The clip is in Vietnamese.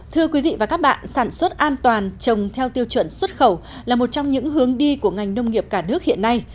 thưa quý vị và các bạn sản xuất an toàn trồng theo tiêu chuẩn xuất khẩu là một trong những hướng đi của ngành nông nghiệp cả nước hiện nay